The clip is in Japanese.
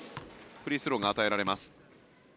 フリースローが与えられます。